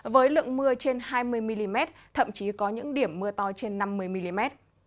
với lượng mưa trên hai mươi mm thậm chí có những điểm mưa to trên năm mươi mm